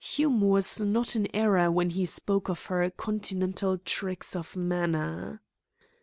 Hume was not in error when he spoke of her "Continental tricks of manner."